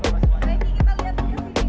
nah kita lihat dulu kesini